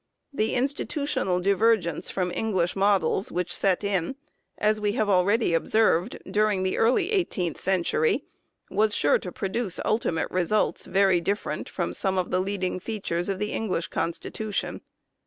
The institutional diver gence from English models which set in, as we have already observed, during the early eighteenth century was sure to produce ultimate results very different from some of the leading features of the English Constitution.